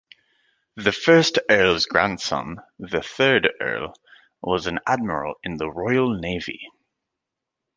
The first Earl's grandson, the third Earl, was an admiral in the Royal Navy.